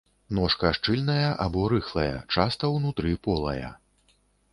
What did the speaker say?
Ножка шчыльная або рыхлая, часта ўнутры полая.